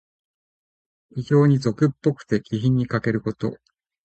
非情に俗っぽくて、気品にかけること。